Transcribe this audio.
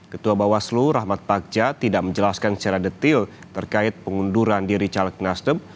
ketua bawaslu rahmat bagja tidak menjelaskan secara detil terkait pengunduran diri caleg nasdem